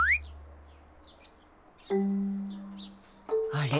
あれ？